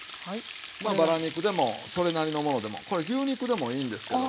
まあバラ肉でもそれなりのものでもこれ牛肉でもいいんですけども。